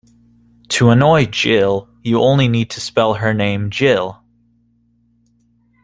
To annoy Gill, you only need to spell her name Jill.